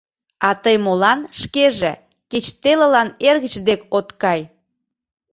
А тый молан шкеже кеч телылан эргыч дек от кай?